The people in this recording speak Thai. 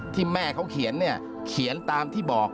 ที่เม่าเขเขียนเขียนตามที่บอก